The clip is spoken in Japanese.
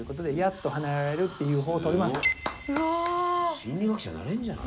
心理学者なれんじゃない？